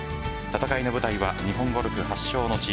戦いの舞台は日本ゴルフ発祥の地